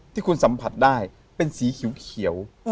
ที่คุณสัมผัสได้เป็นสีเขียว